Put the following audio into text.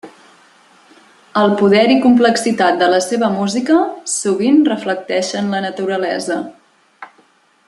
El poder i complexitat de la seva música sovint reflecteixen la naturalesa.